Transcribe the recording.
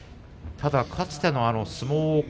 ただかつての相撲王国